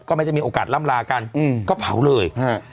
ก็ไม่ได้มีโอกาสล่ำลากันก็เผาเลยฮะ